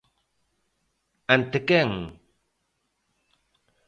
¿Ante quen?